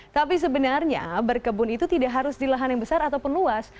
tapi sebenarnya berkebun itu tidak harus di lahan yang besar ataupun luas